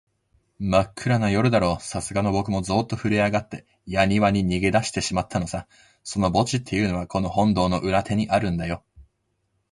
まっくらな夜だろう、さすがのぼくもゾーッとふるえあがって、やにわに逃げだしてしまったのさ。その墓地っていうのは、この本堂の裏手にあるんだよ。